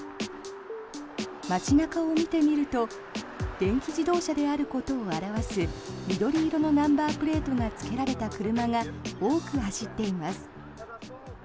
街中を見てみると電気自動車であることを表す緑色のナンバープレートがつけられた車が多く走っています。